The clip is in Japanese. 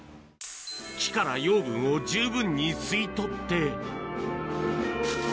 木から養分を十分に吸い取って。